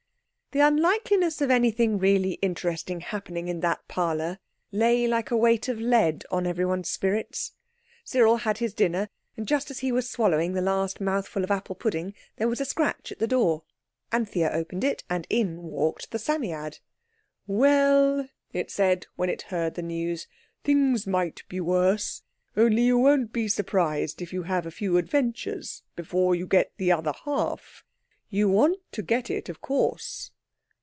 The unlikeliness of anything really interesting happening in that parlour lay like a weight of lead on everyone's spirits. Cyril had his dinner, and just as he was swallowing the last mouthful of apple pudding there was a scratch at the door. Anthea opened it and in walked the Psammead. "Well," it said, when it had heard the news, "things might be worse. Only you won't be surprised if you have a few adventures before you get the other half. You want to get it, of course."